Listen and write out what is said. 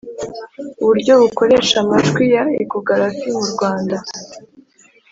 Uburyo bukoresha amajwi ya ekogarafi mu Rwanda